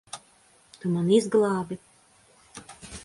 Tu mani izglābi.